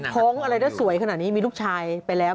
ท้องอะไรได้สวยขนาดนี้มีลูกชายไปแล้ว